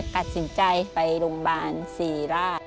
ตัดสินใจไปโรงพยาบาลศรีราช